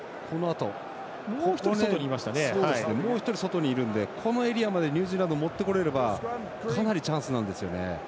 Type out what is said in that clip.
もう１人、外にいるのでこのエリアまでニュージーランド持ってこれればかなりチャンスなんですよね。